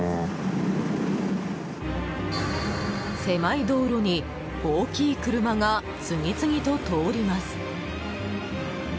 狭い道路に大きい車が次々と通ります。